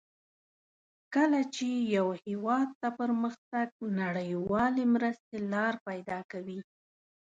کله چې یو هېواد ته پرمختګ نړیوالې مرستې لار پیداکوي.